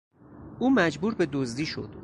او مجبور به دزدی شد.